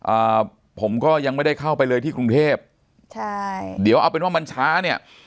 อ่าผมก็ยังไม่ได้เข้าไปเลยที่กรุงเทพใช่เดี๋ยวเอาเป็นว่ามันช้าเนี่ย